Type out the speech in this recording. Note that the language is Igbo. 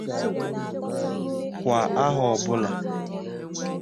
Kwà ahọ ọbụla